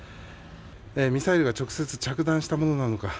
ミサイルが直接着弾したものなのか